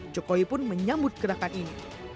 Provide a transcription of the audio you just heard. jokowi pun menyambut gerakan ini